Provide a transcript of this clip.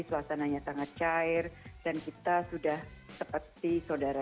suasananya sangat cair dan kita sudah seperti saudara